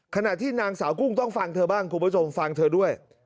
ขณะที่นางสาวกุ้งต้องฟังเธอบ้างคุณผู้ชมฟังเธอด้วย